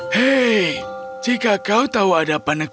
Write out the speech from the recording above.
hei jika kau tahu ada panaku